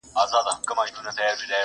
سړي وویل وراره دي حکمران دئ.!